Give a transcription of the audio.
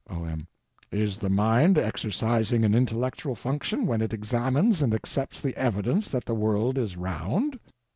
O.M. Is the mind exercising an intellectual function when it examines and accepts the evidence that the world is round?